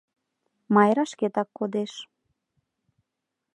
Майра шкетак кодеш.